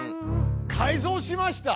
改造しました。